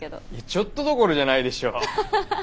ちょっとどころじゃないでしょ。